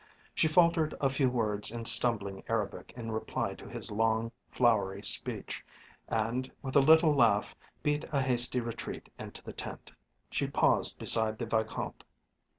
She faltered a few words in stumbling Arabic in reply to his long, flowery speech, and with a little laugh beat a hasty retreat into the tent. She paused beside the Vicomte.